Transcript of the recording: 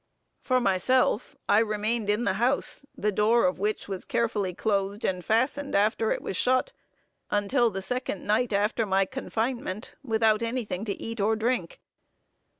"For myself, I remained in the house, the door of which was carefully closed and fastened after it was shut, until the second night after my confinement, without anything to eat or drink.